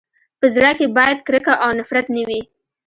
په زړه کي باید کرکه او نفرت نه وي.